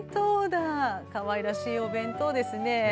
かわいらしいお弁当ですね。